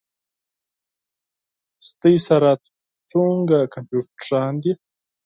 ستاسو سره څومره کمپیوټرونه دي؟